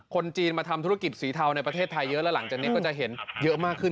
คนจีนมาทำธุรกิจสีเทาในประเทศไทยเยอะแล้วหลังจากนี้ก็จะเห็นเยอะมากขึ้น